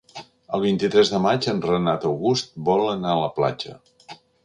El vint-i-tres de maig en Renat August vol anar a la platja.